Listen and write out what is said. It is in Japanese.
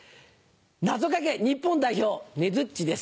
謎掛け日本代表ねづっちです